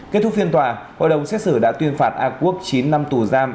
kết thúc phiên tòa hội đồng xét xử đã tuyên phạt a quốc chín năm tù giam